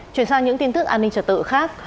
chuyển sang những tin tức an ninh trật tự khác